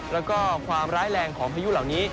แล้วก็ความร้ายแรงของพายุเหล่านี้